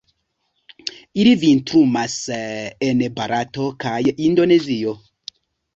Ili vintrumas en Barato kaj Indonezio.